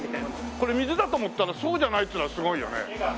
これ水だと思ったらそうじゃないっつうのはすごいよね。